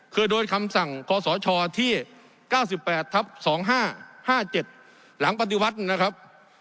คือโดยคำสั่งคศที่๙๘ทับ๒๕๕๗หลังปฏิวัตินะครับ